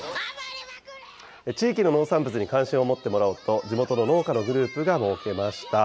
地域の農産物に関心を持ってもらおうと、地元の農家のグループが設けました。